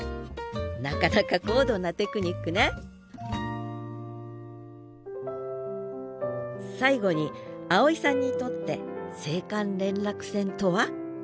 なかなか高度なテクニックね最後に青井さんにとって青函連絡船とは？